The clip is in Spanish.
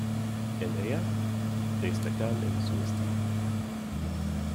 En ella, destacan en su estilo.